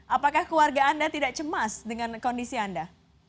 apakah keluarga anda tidak cemas dengan kondisi anda